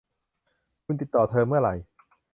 คุณติดต่อเธอเมื่อไหร่